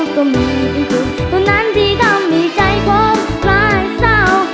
แต่มีคุณเท่านั้นที่ทำให้ใจผมร้ายเศร้า